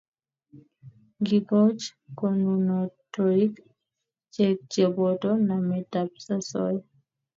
Ngikoch konunotoik eng ichek cheboto nametab osoya